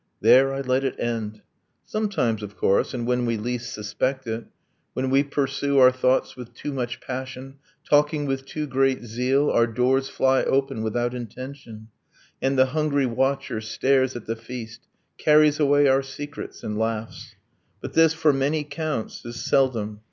There I let it end. ... Sometimes, of course, and when we least suspect it When we pursue our thoughts with too much passion, Talking with too great zeal our doors fly open Without intention; and the hungry watcher Stares at the feast, carries away our secrets, And laughs. ... but this, for many counts, is seldom.